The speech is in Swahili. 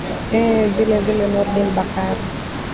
ee vile vile nurdin bakari